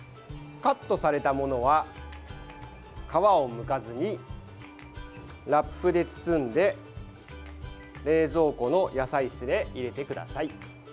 カットされたものは皮をむかずに、ラップで包んで冷蔵庫の野菜室へ入れてください。